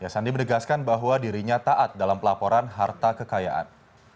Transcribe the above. sandi menegaskan bahwa dirinya taat dalam pelaporan harta kekayaan